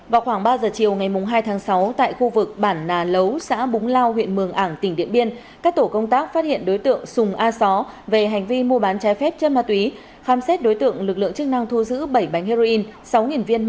vào khoảng ba giờ chiều ngày hai tháng sáu tại khu vực bản nà lấu xã búng lao huyện mường ảng tỉnh điện biên các tổ công tác phát hiện đối tượng sùng a só về hành vi mua bán trái phép chân ma túy khám xét đối tượng lực lượng chức năng thu giữ bảy bánh heroin sáu viên ma túy